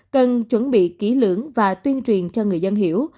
cần chuẩn bị kỹ lưỡng và tuyên truyền cho người dân hiểu